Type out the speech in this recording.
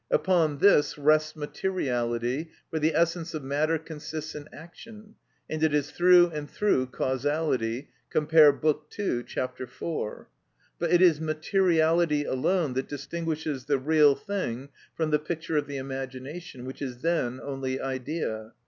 Upon this rests materiality, for the essence of matter consists in action, and it is through and through causality (cf. Bk. II. ch. iv.) But it is materiality alone that distinguishes the real thing from the picture of the imagination, which is then only idea.